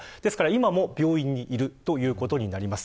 今も病院にいるということになります。